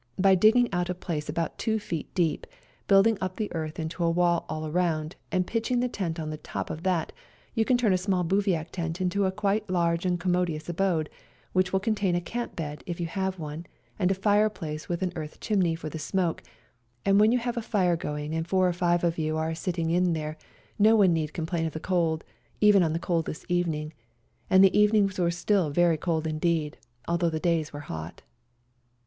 By digging out a place about 2 ft. deep, building up the 178 SERBIAN CHRISTMAS DAY earth into a wall all round and pitching the tent on to the top of that you can turn a small bivouac tent into quite a large and commodious abode, which will contain a camp bed if you have one and a fireplace with an earth chimney for the smoke, and when you have a fire going and four or five of you are sitting in there no one need complain of the cold, even on the coldest evening; and the evenings were still very cold indeed, although the days were hot.